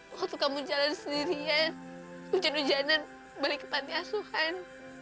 waktu kamu jalan sendirian hujan hujanan balik ke panti asuhan